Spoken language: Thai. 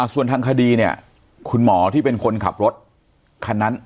ส่วนทางคดีเนี่ยคุณหมอที่เป็นคนขับรถคันนั้น